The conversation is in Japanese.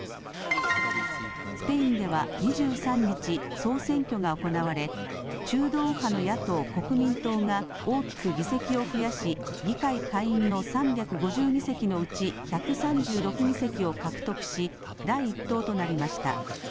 スペインでは２３日、総選挙が行われ中道右派の野党・国民党が大きく議席を増やし議会下院の３５０議席のうち１３６議席を獲得し第１党となりました。